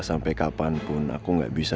sampai kapanpun aku nggak bisa